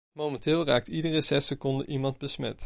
Momenteel raakt iedere zes seconden iemand besmet.